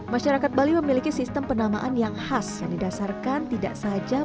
masyarakat bali memiliki sistem penambahan yang khas yang didasarkan tidak saja pada jenis kelamin